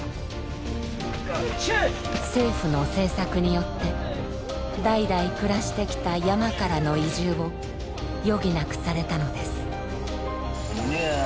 政府の政策によって代々暮らしてきた山からの移住を余儀なくされたのです。